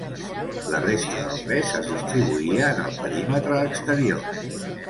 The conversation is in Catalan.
La resta del pes es distribuïa en el perímetre exterior.